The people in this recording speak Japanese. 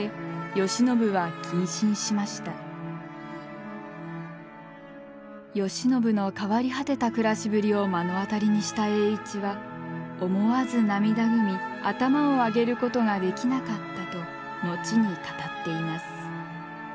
慶喜の変わり果てた暮らしぶりを目の当たりにした栄一は思わず涙ぐみ頭を上げることができなかったと後に語っています。